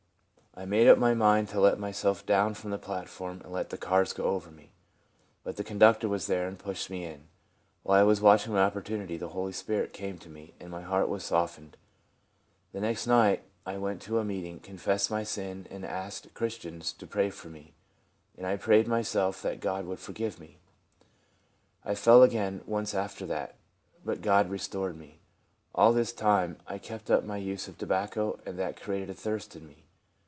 I made up my mind to let myself down from the plat form and let the cars go over me. But the conductor was there and pushed me in. While I was watching my opportunity the Holy Spirit came to me, and my heart was soften ed. The next night I went to a meeting, confessed my sin, and asked Christians to pray for me, and I prayed myself that God would forgive me. I fell again once after that, but God re stored me. All this time I kept up the use of tobacco, and that created a thirst in me.